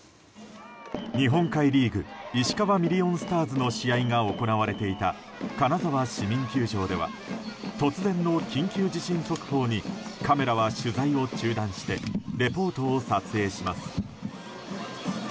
日本海リーグ石川ミリオンスターズの試合が行われていた金沢市民球場では突然の緊急地震速報にカメラは取材を中断してレポートを撮影します。